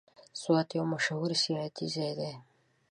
سوات یو مشهور سیاحتي ځای دی.